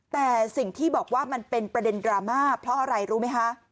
แต่สิ่งที่บอกว่ามันเป็นประเด็นดราม่าเพราะอะไรรู้ไหมคะ